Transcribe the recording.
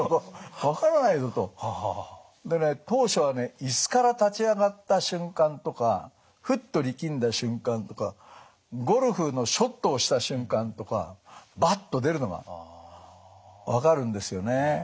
当初はね椅子から立ち上がった瞬間とかふっと力んだ瞬間とかゴルフのショットをした瞬間とかバッと出るのが分かるんですよね。